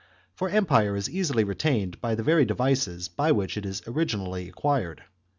For empire is easily retained by the very devices by which it is originally acquired.